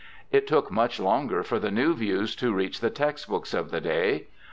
It took much longer for the new views to reach the textbooks of the day.